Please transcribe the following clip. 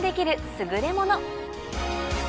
優れもの